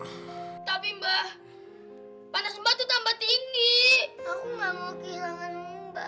aku gak mau kehilangan mbak